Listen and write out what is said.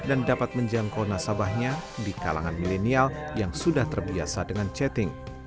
dan dapat menjangkau nasabahnya di kalangan milenial yang sudah terbiasa dengan chatting